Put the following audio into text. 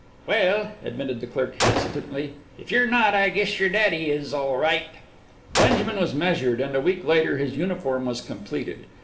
"Well," admitted the clerk hesitantly, "if you're not, I guess your daddy is, all right." Benjamin was measured, and a week later his uniform was completed.